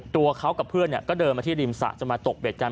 ตัวเขากับเพื่อนก็เดินมาที่ริมสระจะมาตกเบ็ดกัน